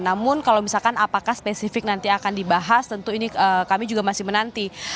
namun kalau misalkan apakah spesifik nanti akan dibahas tentu ini kami juga masih menanti